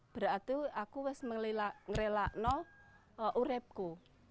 berarti aku harus merelakan urepku